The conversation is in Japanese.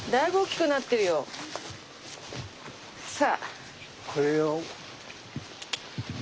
さあ！